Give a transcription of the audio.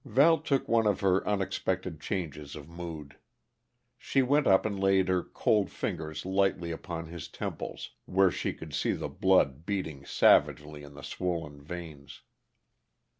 Val took one of her unexpected changes of mood. She went up and laid her cold fingers lightly upon his temples, where she could see the blood beating savagely in the swollen veins.